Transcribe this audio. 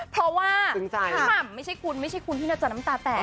เพราะว่าพี่หม่ำไม่ใช่คุณไม่ใช่คุณที่หน้าจอน้ำตาแตก